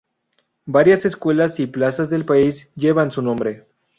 Varias escuelas y plazas del país llevan su nombre.